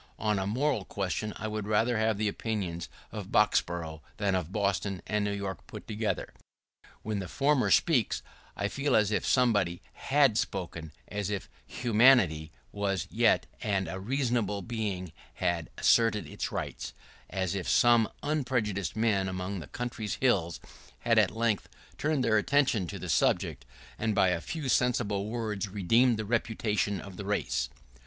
On any moral question, I would rather have the opinion of Boxboro' than of Boston and New York put together. When the former speaks, I feel as if somebody had spoken, as if humanity was yet, and a reasonable being had asserted its rights — as if some unprejudiced men among the country's hills had at length turned their attention to the subject, and by a few sensible words redeemed the reputation of the race.